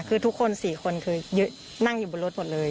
คือทุกคน๔คนคือนั่งอยู่บนรถหมดเลย